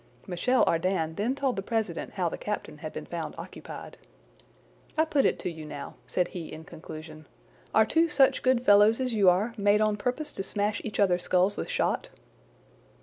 Michel Ardan then told the president how the captain had been found occupied. "I put it to you now," said he in conclusion, "are two such good fellows as you are made on purpose to smash each other's skulls with shot?"